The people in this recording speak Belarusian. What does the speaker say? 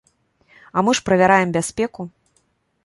А мы ж правяраем бяспеку.